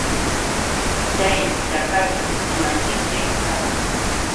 Hay chakaćhu ¿imaćhiki pasan?